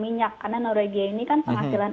minyak karena norwegia ini kan penghasilan